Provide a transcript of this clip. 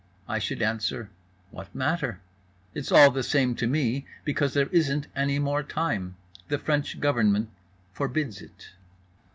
I should answer: "What matter? It's all the same to me, because there isn't any more time—the French Government forbids it."